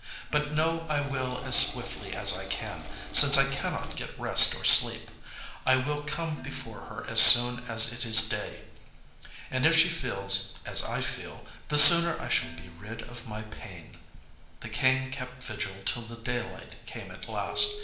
But know I will as swiftly as I can, since I cannot get rest or sleep. I will come before her as soon as it is day, and if she feels as I feel, the sooner I shall be rid of my pain." The King kept vigil till the daylight came at last.